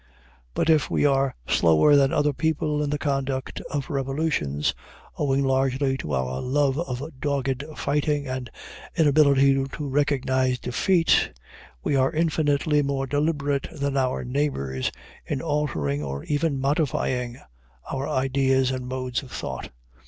But if we are slower than other people in the conduct of revolutions, owing largely to our love of dogged fighting and inability to recognize defeat, we are infinitely more deliberate than our neighbors in altering, or even modifying, our ideas and modes of thought.